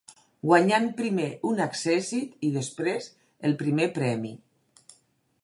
Guanyant primer un accèssit i després el primer premi.